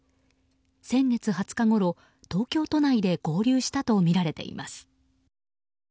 先月２０日ごろ、東京都内で合流したとみられています。